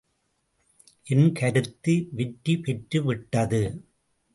என் கருத்து வெற்றி பெற்றுவிட்டது.